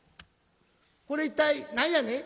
「これ一体何やね？」。